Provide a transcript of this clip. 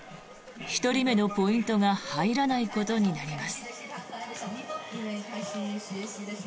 １人目のポイントが入らないことになります。